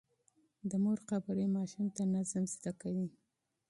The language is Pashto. د مور خبرې ماشوم ته نظم زده کوي.